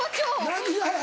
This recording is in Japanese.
何がや？